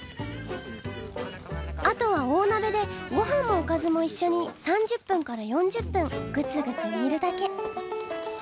あとは大なべでごはんもおかずもいっしょに３０分から４０分グツグツにるだけ。